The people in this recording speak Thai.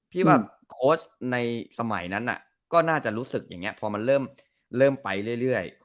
พี่ว่าโค้ชในสมัยนั้นก็น่าจะรู้สึกอย่างนี้พอมันเริ่มไปเรื่อย